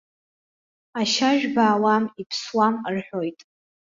Ашьажә баауам иԥсуам рҳәоит.